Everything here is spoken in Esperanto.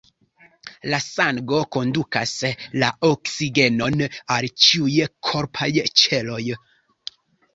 La sango kondukas la oksigenon al ĉiuj korpaj ĉeloj.